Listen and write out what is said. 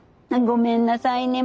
ごめんなさいね。